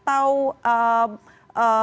atau monitoring kepada mereka